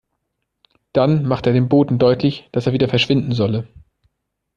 Dann machte er dem Boten deutlich, dass er wieder verschwinden solle.